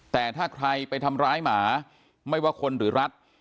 แต่ถ้าใครไปทำร้ายหมาไม่ว่าคนหรือรัด